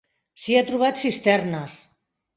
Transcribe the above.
S'hi ha trobat cisternes.